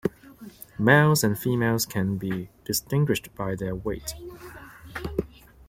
Males and females can be distinguished by their weight.